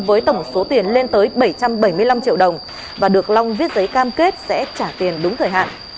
với tổng số tiền lên tới bảy trăm bảy mươi năm triệu đồng và được long viết giấy cam kết sẽ trả tiền đúng thời hạn